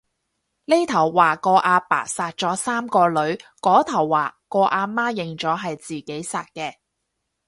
呢頭話個阿爸殺咗三個女，嗰頭話個阿媽認咗係自己殺嘅